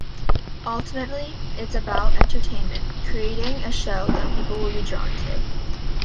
Ultimately, it's about entertainment, creating a show that people will be drawn to.